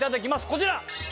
こちら。